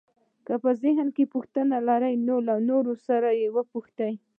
که په ذهن کې پوښتنې لرئ نو له نورو یې وپوښته.